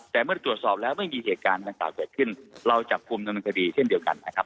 แต่เมื่อตรวจสอบแล้วไม่มีเหตุการณ์ดังกล่าวเกิดขึ้นเราจับกลุ่มดำเนินคดีเช่นเดียวกันนะครับ